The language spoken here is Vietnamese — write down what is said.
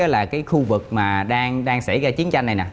là cái khu vực mà đang xảy ra chiến tranh này nè